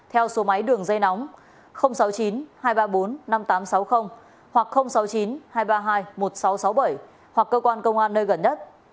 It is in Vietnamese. theo số máy đường dây nóng sáu mươi chín hai trăm ba mươi bốn năm nghìn tám trăm sáu mươi hoặc sáu mươi chín hai trăm ba mươi hai một nghìn sáu trăm sáu mươi bảy hoặc cơ quan công an nơi gần nhất